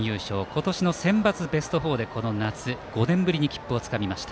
今年のセンバツはベスト４でこの夏は５年ぶりに切符をつかみました。